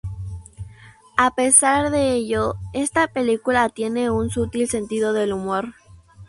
A pesar de ello esta película tiene un sutil sentido del humor.